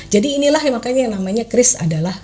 jadi inilah yang makanya namanya kris adalah